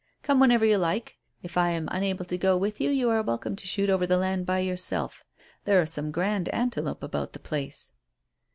Come whenever you like. If I am unable to go with you, you are welcome to shoot over the land by yourself. There are some grand antelope about the place."